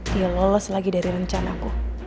dia lolos lagi dari rencanaku